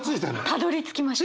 たどりつきました。